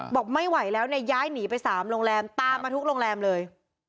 บอกไม่ไหวแล้วเนี่ยย้ายหนีไป๓โรงแรมตามมาทุกโรงแรมเลย